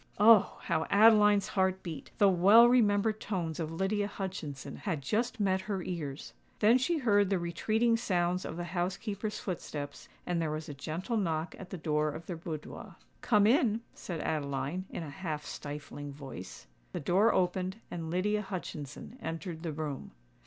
Oh! how Adeline's heart beat,—the well remembered tones of Lydia Hutchinson had just met her ears. Then she heard the retreating sounds of the housekeeper's footsteps; and there was a gentle knock at the door of their boudoir. "Come in," said Adeline, in a half stifling voice. The door opened, and Lydia Hutchinson entered the room.